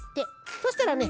そしたらね